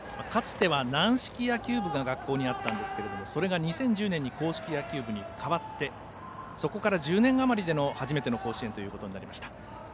かつては軟式野球部が学校にあったんですがそれが２０１０年に公式野球部に変わってそこから１０年あまりでの初めての甲子園となりました。